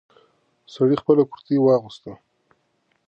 سړی خپل کورتۍ واغوست.